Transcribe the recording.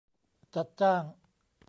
จัดจ้าง